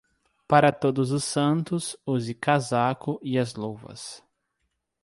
Para Todos os Santos, use o casaco e as luvas.